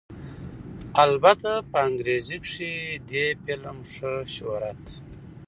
البته په انګرېزۍ کښې دې فلم ښۀ شهرت